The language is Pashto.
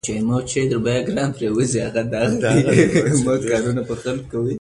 افغانستان کې د ښارونو د پرمختګ هڅې شته.